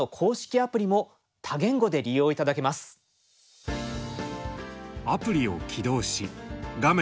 アプリを起動し画面